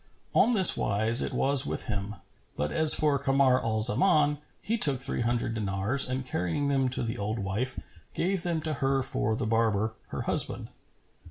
On this wise it was with him; but as for Kamar al Zaman, he took three hundred dinars and carrying them to the old wife, gave them to her for the barber, her husband.